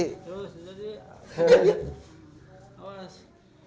terus udah jadi